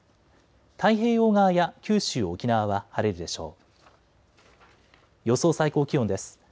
太平洋側や九州、沖縄は晴れるでしょう。